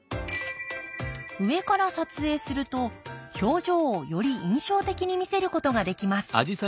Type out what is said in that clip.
上から撮影すると表情をより印象的に見せることができます。